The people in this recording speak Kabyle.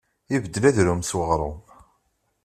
Ibeddel ardum s uɣrum.